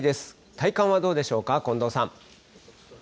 体感はどうでしょうか、近藤さん。